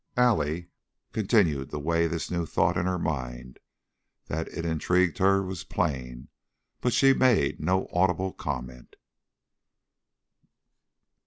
Allie continued to weigh this new thought in her mind; that it intrigued her was plain, but she made no audible comment.